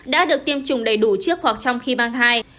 đã được tiêm chủng đầy đủ trước hoặc trong khi mang thai